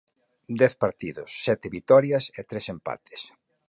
Dez partidos, sete vitorias e tres empates.